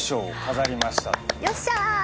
よっしゃ！